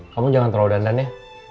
kamu jangan terlalu dandan ya